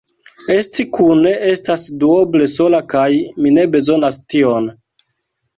Esti kune estas duoble sola kaj mi ne bezonas tion.